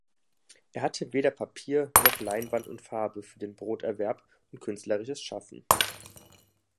Er hatte weder Papier, noch Leinwand und Farbe für den Broterwerb und künstlerisches Schaffen.